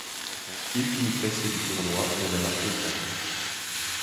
Il finit classé du tournoi et n'a marqué aucun but.